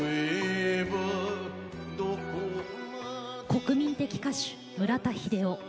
国民的歌手・村田英雄。